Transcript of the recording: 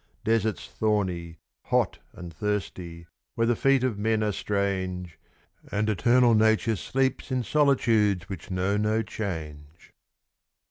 Deserts thorny, hot and thirsty, where the feet of men are strange, And eternal Nature sleeps in solitudes which know no change.